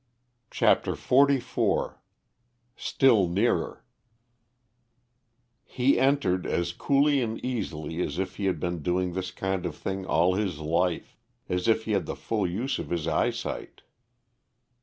CHAPTER XLIV STILL NEARER He entered as coolly and easily as if he had been doing this kind of thing all his life, as if he had the full use of his eyesight.